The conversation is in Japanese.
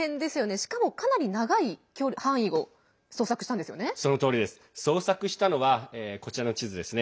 しかも、かなり長い範囲を捜索したんですよね。